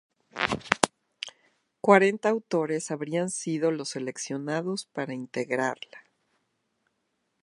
Cuarenta autores habrían sido los seleccionados para integrarla.